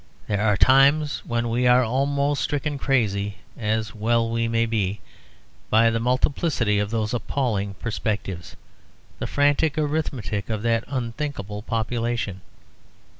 There are times when we are almost stricken crazy, as well we may be, by the multiplicity of those appalling perspectives, the frantic arithmetic of that unthinkable population.